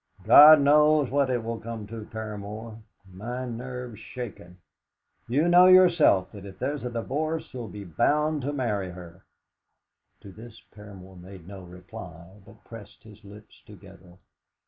"God knows what it will come to, Paramor! My nerve's shaken! You know yourself that if there's a divorce he'll be bound to marry her!" To this Mr. Paramor made no reply, but pressed his lips together.